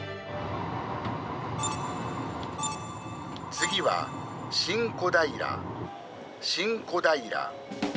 次は新小平、新小平。